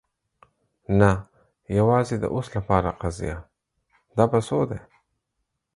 نه، یوازې د اوس لپاره قضیه. دا په څو دی؟